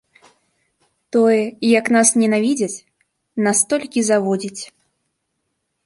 Тое, як нас ненавідзяць, нас толькі заводзіць.